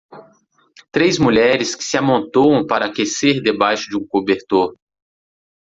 Três mulheres que se amontoam para aquecer debaixo de um cobertor.